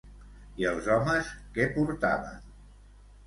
I els homes que portaven?